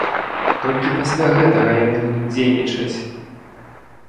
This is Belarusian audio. Толькі пасля гэтага яны будуць дзейнічаць!